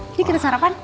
ini kita sarapan